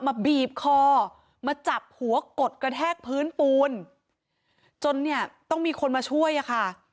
บีบคอมาจับหัวกดกระแทกพื้นปูนจนเนี่ยต้องมีคนมาช่วยอะค่ะ